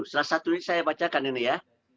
salah satu saya bacakan ini ya